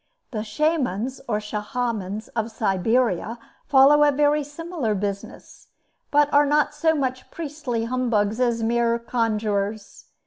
The Shamans (or Schamans) of Siberia, follow a very similar business, but are not so much priestly humbugs as mere conjurors.